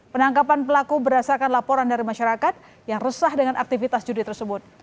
penangkapan pelaku berdasarkan laporan dari masyarakat yang resah dengan aktivitas judi tersebut